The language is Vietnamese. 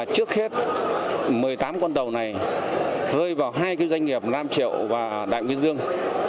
trước hết một mươi tám con tàu này rơi vào hai doanh nghiệp năm triệu và đại nguyên dương